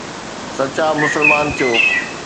سچا مسلمان ٿيو